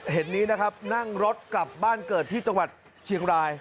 เห็นนี้นะครับนั่งรถกลับบ้านเกิดที่จังหวัดเชียงราย